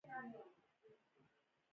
د غاښونو خرابوالی د معدې ستونزې پیدا کوي.